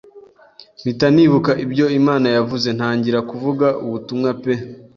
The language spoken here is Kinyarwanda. mpita nibuka ibyo Imana yavuze, ntangira kuvuga ubutumwa pe